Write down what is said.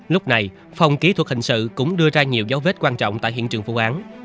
lúc này phòng kỹ thuật hình sự cũng đưa ra nhiều dấu vết quan trọng tại hiện trường vụ án